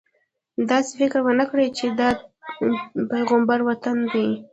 داسې فکر ونه کړې چې دا د پیغمبر وطن دی.